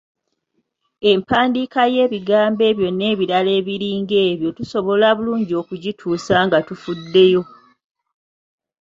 Empandiika y'ebigambo ebyo n'ebirala ebiringa ebyo tusobola bulungi okugituusa nga tufuddeyo.